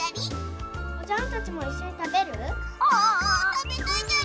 たべたいじゃり！